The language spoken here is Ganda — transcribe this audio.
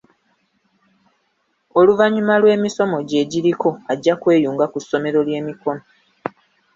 Oluvannyuma lw'emisomo gye egiriko ajja kweyunga ku ssomero ly'emikono.